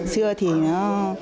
xưa thì nó